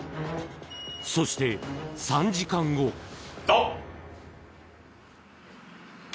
そして３時間後あっ！